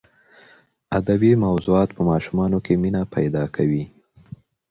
ادبي موضوعات په ماشومانو کې مینه پیدا کوي.